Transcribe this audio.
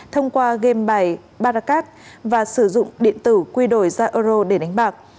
thông qua game bài baracas và sử dụng điện tử quy đổi ra euro để đánh bạc